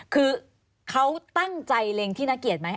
คือเขาตั้งใจเล็งที่น่าเกลียดไหม